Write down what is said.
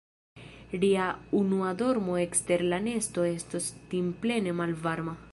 Ria unua dormo ekster la nesto estos timplene malvarma.